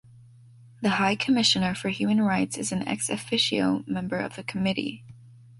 The High Commissioner for Human Rights is an ex-officio member of the Committee.